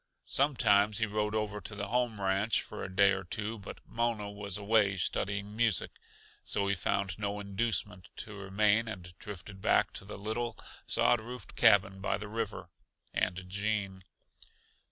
Sometimes he rode over to the home ranch for a day or two, but Mona was away studying music, so he found no inducement to remain, and drifted back to the little, sod roofed cabin by the river, and to Gene.